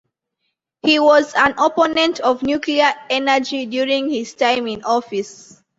He was an opponent of nuclear energy during his time in office.